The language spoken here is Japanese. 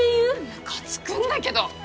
ムカつくんだけど！